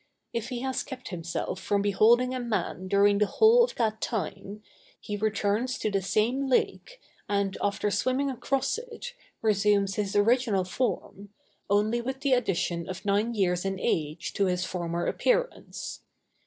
If he has kept himself from beholding a man during the whole of that time, he returns to the same lake, and, after swimming across it, resumes his original form, only with the addition of nine years in age to his former appearance.